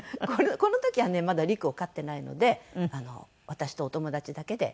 この時はねまだ陸を飼ってないので私とお友達だけで。